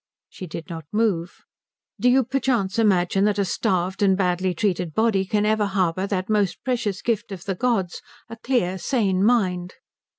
She did not move. "Do you perchance imagine that a starved and badly treated body can ever harbour that most precious gift of the gods, a clear, sane mind?"